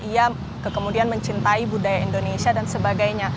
ia kemudian mencintai budaya indonesia dan sebagainya